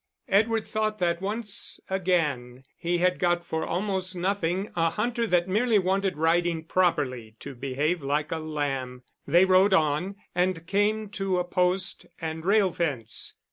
Edward thought that once again he had got for almost nothing a hunter that merely wanted riding properly to behave like a lamb. They rode on, and came to a post and rail fence.